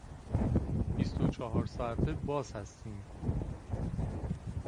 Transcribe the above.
بیست و چهار ساعته باز هستیم.